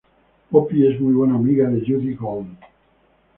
Poppy es muy buena amiga de Jodie Gold.